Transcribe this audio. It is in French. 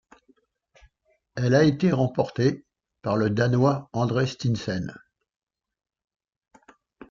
Elle a été remportée par le Danois André Steensen.